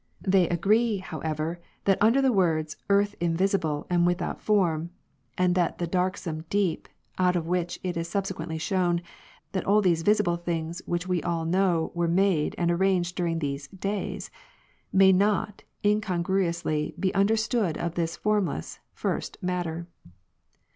They agree, howevei', that under the words earth V invisible and without form, and that darksome deep (out of which it is subsequently shewn, that all these visible things which we all know, were made and arranged during those " days") may, not incongruously, be understood of this formless (first) matter.